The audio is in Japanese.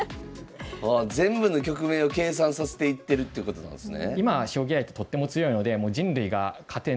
ああ全部の局面を計算させていってるっていうことなんですね。